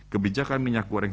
kebijakan minyak goreng